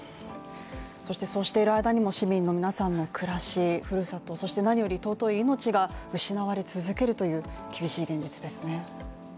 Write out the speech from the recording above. そして、そうしている間にも市民の皆さんの暮らし、ふるさとそして何よりとうとい命が失われ続けるという厳しい現実ですね。